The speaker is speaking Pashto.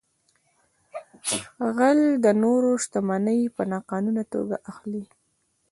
غل د نورو شتمنۍ په ناقانونه توګه اخلي